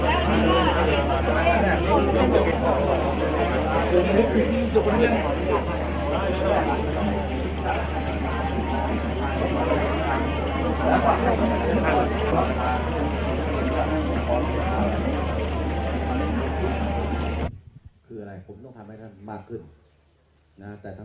เมืองอัศวินธรรมดาคือสถานที่สุดท้ายของเมืองอัศวินธรรมดา